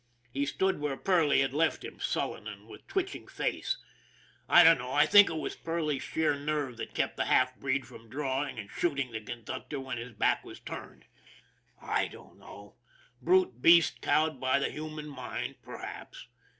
He stood where Perley had left him, sullen and with twitching face. I don't know, THE MAN WHO DIDN'T COUNT 245 I think it was Parley's sheer nerve that kept the half breed from drawing and shooting the conductor when his back was turned. I don't know brute beast cowed by the human mind, perhaps.